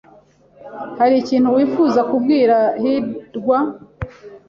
Hari ikintu wifuza kubwira hirwa?